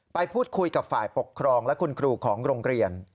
ไปพูดคุยกับฝ่ายปกครองและคุณครูของโรงเรียน